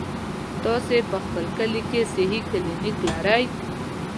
تاسې په خپل کلي کې صحي کلينيک لرئ؟